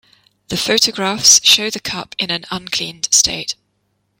The photographs show the cup in an uncleaned state.